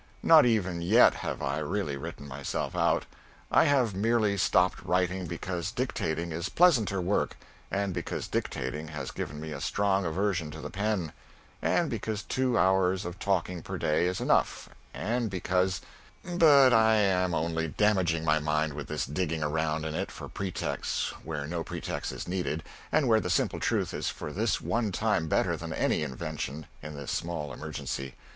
Not even yet have I really written myself out. I have merely stopped writing because dictating is pleasanter work, and because dictating has given me a strong aversion to the pen, and because two hours of talking per day is enough, and because But I am only damaging my mind with this digging around in it for pretexts where no pretext is needed, and where the simple truth is for this one time better than any invention, in this small emergency.